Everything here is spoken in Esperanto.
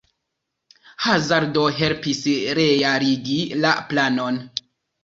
Hazardo helpis realigi la planon.